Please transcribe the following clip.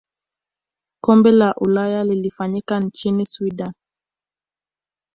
kombe la ulaya lilifanyika nchini sweden